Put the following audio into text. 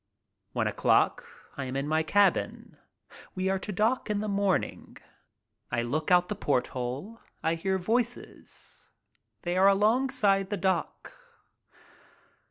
One o'clock. I am in my cabin. We are to dock in the morning. I look out the porthole. I hear voices. They are along side the dock.